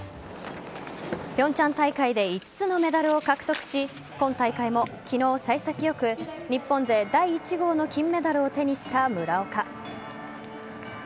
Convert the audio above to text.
平昌大会で５つのメダルを獲得し今大会も昨日、幸先良く日本勢第１号の金メダルを手にした村岡。